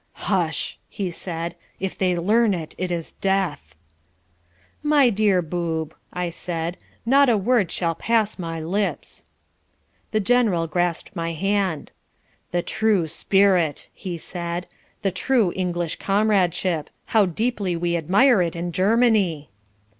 "Hush!" he said. "If they learn it, it is death." "My dear Boob," I said, "not a word shall pass my lips." The general grasped my hand. "The true spirit," he said, "the true English comradeship; how deeply we admire it in Germany!"